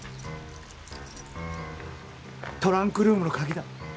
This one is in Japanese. トランクルームの鍵だ。